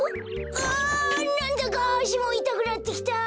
あなんだかあしもいたくなってきた！